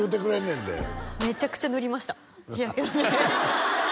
んでめちゃくちゃ塗りました日焼け止め